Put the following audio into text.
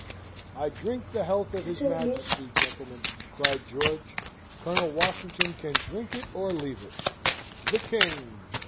I drink the health of his Majesty, gentlemen," cried George. "Colonel Washington can drink it or leave it. The King!"